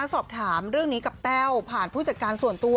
สอบถามเรื่องนี้กับแต้วผ่านผู้จัดการส่วนตัว